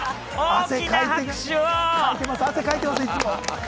汗かいてます、いつも。